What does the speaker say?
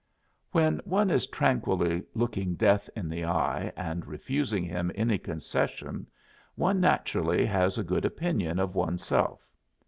When one is tranquilly looking death in the eye and refusing him any concession one naturally has a good opinion of one's self.